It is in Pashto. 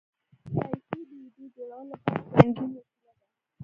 لایکي د ویډیو جوړولو لپاره رنګین وسیله ده.